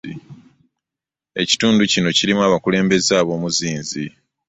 Ekitundu kino kirimu abakulembeze ab'omuzinzi.